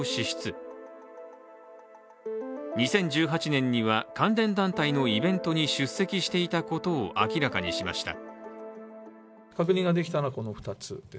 ２０１８年には関連団体のイベントに出席していたことを明らかにしました。